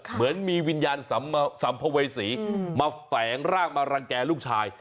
เหมือนมีวิญญาณสัมภเวษีมาแฝงร่างมารังแก่ลูกชาย